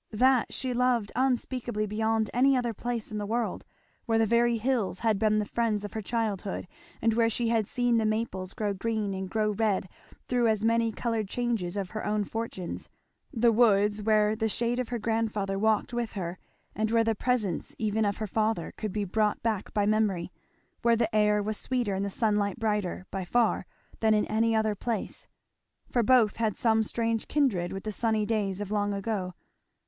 that she loved unspeakably beyond any other place in the world; where the very hills had been the friends of her childhood, and where she had seen the maples grow green and grow red through as many coloured changes of her own fortunes; the woods where the shade of her grandfather walked with her and where the presence even of her father could be brought back by memory; where the air was sweeter and the sunlight brighter, by far, than in any other place, for both had some strange kindred with the sunny days of long ago.